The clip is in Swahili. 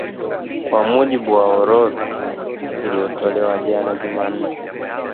Kwa mujibu wa orodha iliyotolewa jana Jumanne